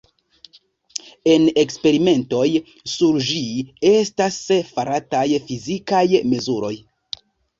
En eksperimentoj sur ĝi estas farataj fizikaj mezuroj.